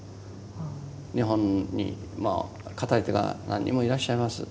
日本に語り手が何人もいらっしゃいます。